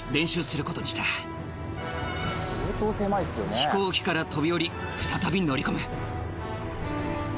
飛行機から飛び降り再び乗り込む。